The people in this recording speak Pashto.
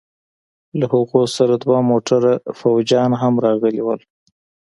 له هغوى سره دوه موټره فوجيان هم راغلي وو.